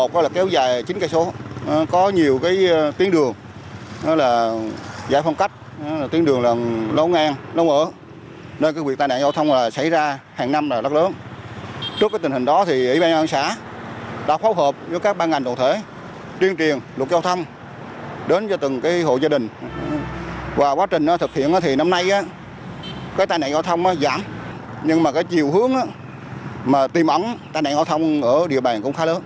cái tài nạn giao thông giảm nhưng mà cái chiều hướng mà tìm ẩn tài nạn giao thông ở địa bàn cũng khá lớn